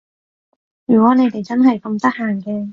如果你哋真係咁得閒嘅